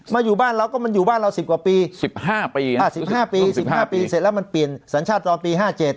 อยู่บ้านเราก็มันอยู่บ้านเรา๑๐กว่าปี๑๕ปี๑๕ปี๑๕ปีเสร็จแล้วมันเปลี่ยนสัญชาติตอนปี๕๗